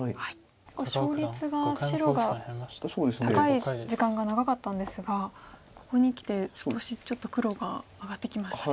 勝率が白が高い時間が長かったんですがここにきて少しちょっと黒が上がってきましたね。